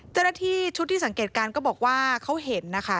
เจ้าหน้าที่ชุดที่สังเกตการณ์ก็บอกว่าเขาเห็นนะคะ